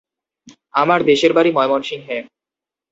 আমার দেশের বাড়ি ময়মনসিংহে।